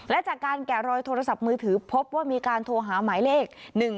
และจากการแกะรอยโทรศัพท์มือถือพบว่ามีการโทรหาหมายเลข๑๒